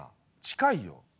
近いよ！